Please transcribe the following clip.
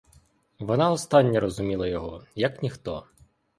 Вона остання розуміла його — як ніхто.